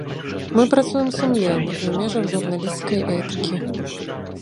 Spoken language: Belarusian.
Мы працуем сумленна і ў межах журналісцкай этыкі.